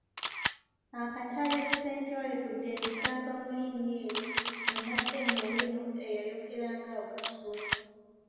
Akatale St. Balikuddembe kaava mu linnya eryo'munna Kenya Owino eyayokera ngawo kasooli.